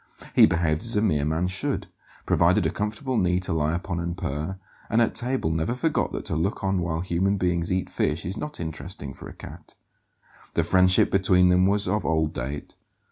He behaved as a mere man should: provided a comfortable knee to lie upon and purr, and at table never forgot that to look on while human beings eat fish is not interesting for a cat. The friendship between them was of old date.